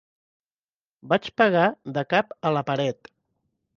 Vaig pegar de cap a la paret.